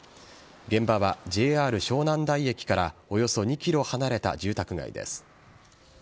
現場はＪＲ湘南台駅からおよそ２ｋｍ離れた住宅街です。